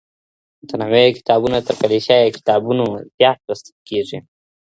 متنوع کتابونه تر کليشه يي کتابونو زيات لوستل کېږي.